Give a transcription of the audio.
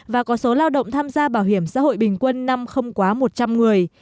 và có số lao động tham gia bảo hiểm xã hội bình quân năm không quá một trăm linh người